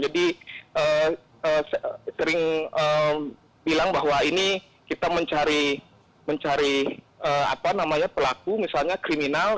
jadi sering bilang bahwa ini kita mencari pelaku misalnya kriminal